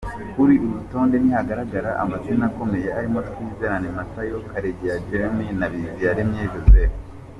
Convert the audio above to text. Kuri uru rutonde ntihagaragara amazina akomeye arimo Twizerane Mathieu, Karegeya Jérémie na Biziyaremye Joseph.